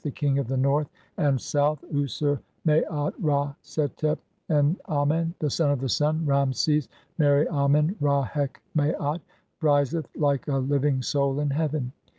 The King of the North a nd South "fUsr Maat Ra setep en Amen], the son of the Sun, (Ra meses "meri Amen Ra heq Maat], riseth like a living soul in heaven.